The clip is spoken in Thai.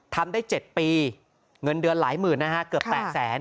ทำได้๗ปีเงินเดือนหลายหมื่นนะฮะเกือบ๘แสน